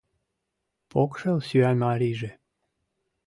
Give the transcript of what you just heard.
Покшел сӱан марийже